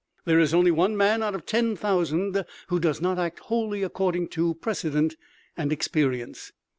There is only one man out of ten thousand who does not act wholly according to precedent and experience.